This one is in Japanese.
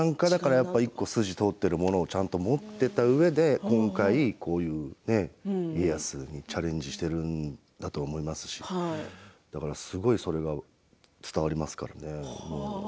１個、筋を通っているものを持っているうえで、今回家康にチャレンジしているんだと思いますしだからすごくそれが伝わりますよね。